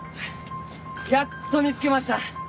やっと見つけました！